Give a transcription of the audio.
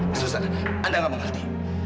buster anda nggak mengerti